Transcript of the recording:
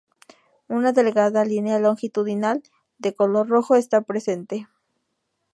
Una delgada línea longitudinal de color rojo está presente.